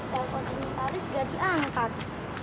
telepon om notaris gak diangkat